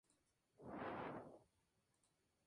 Se tomó especial consideración en el centro mercantil de Edo.